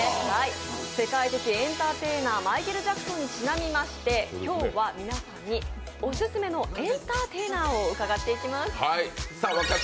世界的エンターテイナーマイケル・ジャクソンにちなみまして今日は皆さんにオススメのエンターテイナーを伺っていきます。